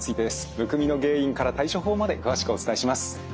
むくみの原因から対処法まで詳しくお伝えします。